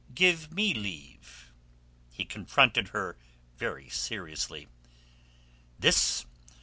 "Give me leave." He confronted her very seriously. "This...